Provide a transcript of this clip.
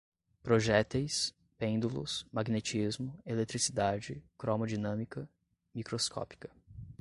projéteis, pêndulos, magnetismo, eletricidade, cromodinâmica, microscópica